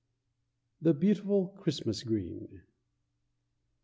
] THE BEAUTIFUL CHRISTMAS GREEN.